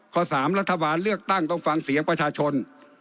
๓รัฐบาลเลือกตั้งต้องฟังเสียงประชาชน